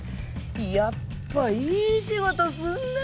やっぱいい仕事すんな。